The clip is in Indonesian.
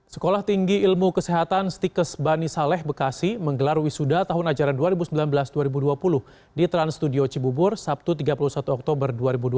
sekolah tinggi ilmu kesehatan stikes bani saleh bekasi menggelar wisuda tahun ajaran dua ribu sembilan belas dua ribu dua puluh di trans studio cibubur sabtu tiga puluh satu oktober dua ribu dua puluh